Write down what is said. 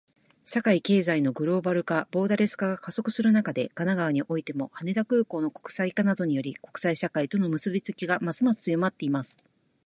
社会・経済のグローバル化、ボーダレス化が加速する中で、神奈川においても、羽田空港の国際化などにより、国際社会との結びつきがますます強まっています。